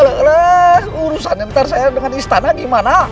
aduh urusan yang terserah dengan istana gimana